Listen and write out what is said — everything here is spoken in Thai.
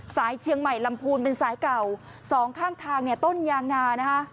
สายเชียงใหม่ลำพูนเป็นสายเก่าสองข้างทางเนี่ยต้นยางนานะคะ